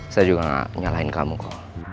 saya juga nggak nyalahin kamu ko